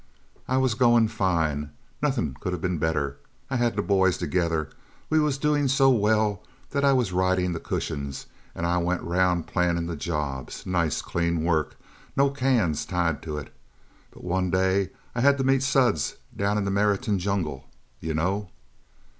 "I was going fine. Nothing could of been better. I had the boys together. We was doing so well that I was riding the cushions and I went around planning the jobs. Nice, clean work. No cans tied to it. But one day I had to meet Suds down in the Meriton Jungle. You know?"